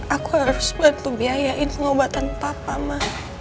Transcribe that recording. aku harus bantu biayain pengobatan papa mah